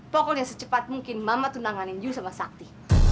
pokoknya secepat mungkin mama tunanganin juga sama sakti